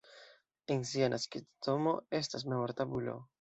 En sia naskiĝdomo estas memortabulo.